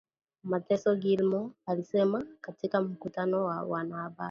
mateso Gilmore alisema katika mkutano na wanahabari